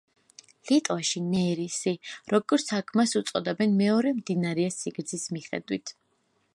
ლიტვაში ნერისი, როგორც აქ მას უწოდებენ, მეორე მდინარეა სიგრძის მიხედვით.